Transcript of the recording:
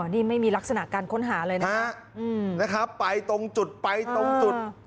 อ๋อนี่ไม่มีลักษณะการค้นหาเลยนะครับนะครับไปตรงจุดไปตรงจุด